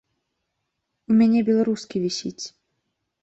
У мяне беларускі вісіць.